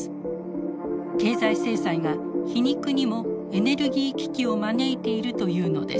経済制裁が皮肉にもエネルギー危機を招いているというのです。